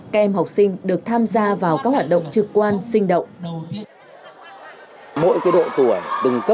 các em học sinh được tham gia vào các hoạt động trực quan sinh động